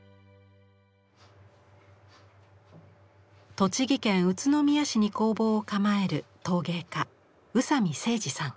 栃木県宇都宮市に工房を構える陶芸家宇佐美成治さん。